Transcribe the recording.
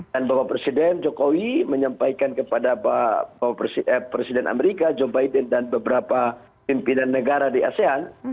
dan bahwa presiden jokowi menyampaikan kepada presiden amerika joe biden dan beberapa pimpinan negara di asean